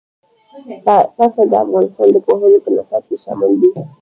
پسه د افغانستان د پوهنې په نصاب کې شامل دی.